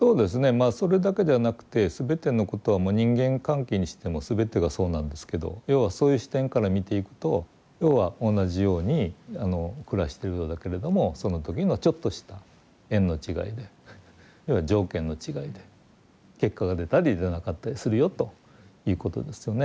まあそれだけではなくて全てのことはもう人間関係にしても全てがそうなんですけど要はそういう視点から見ていくと要は同じように暮らしてるようだけれどもその時のちょっとした縁の違いで要は条件の違いで結果が出たり出なかったりするよということですよね。